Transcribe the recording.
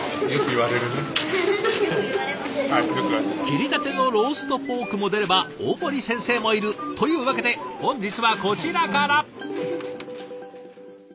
切りたてのローストポークも出れば大盛り先生もいるというわけで本日はこちらから。